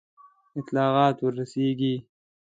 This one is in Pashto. اطلاعات ورسیږي.